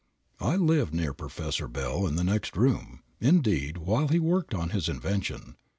I lived near Professor Bell, in the next room, indeed, while he worked on his invention.